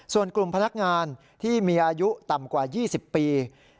ส่วนกลุ่มพนักงานที่มีอายุต่ำกว่า๒๐ปี